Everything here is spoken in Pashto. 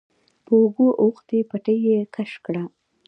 په اوږو اوښتې پټۍ يې کش کړه.